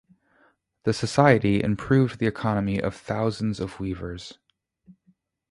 The Society improved the economy of thousands of weavers.